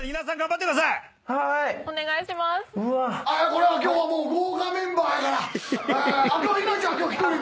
これは今日は豪華メンバーやから。